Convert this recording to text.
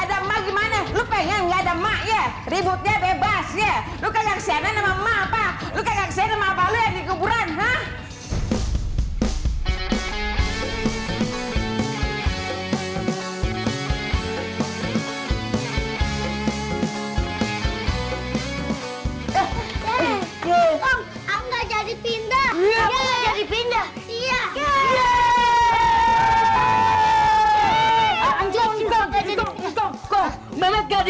ada lagi mana lu pengen enggak ada mak ya ributnya